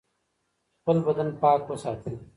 خپل بدن پاک وساتئ.